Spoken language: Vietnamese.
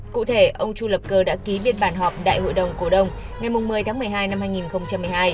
cụ thể ông chu lập cơ đã ký biên bản họp đại hội đồng cổ đông ngày một mươi tháng một mươi hai năm hai nghìn một mươi hai